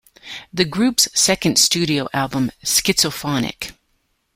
The group's second studio album, "Schizophonic!